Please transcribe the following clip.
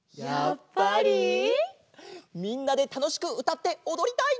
みんなでたのしくうたっておどりたい！